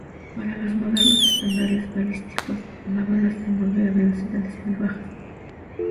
Para los modernos estándares balísticos, la bala se mueve a velocidades muy bajas.